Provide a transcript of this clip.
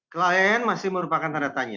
klien masih merupakan tanda tanya